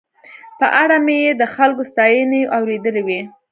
په اړه مې یې د خلکو ستاينې اورېدلې وې.